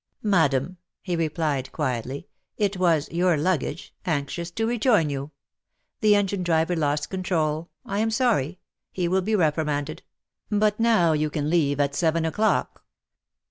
"Madam," he replied quietly, "it was your luggage — anxious to rejoin you. The engine driver lost control — I am sorry ; he will be reprimanded. But now you can leave at seven o'clock."